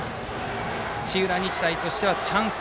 土浦日大としてはチャンス。